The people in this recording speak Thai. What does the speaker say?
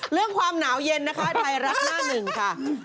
เรื่องความหนาวเย็นนะคะไทยรัฐหน้าหนึ่งค่ะ